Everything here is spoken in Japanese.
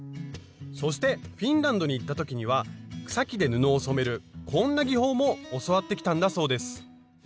そしてフィンランドに行った時には草木で布を染めるこんな技法も教わってきたんだそうです。